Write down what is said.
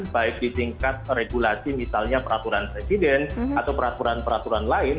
baik disingkat regulasi misalnya peraturan residen atau peraturan peraturan lain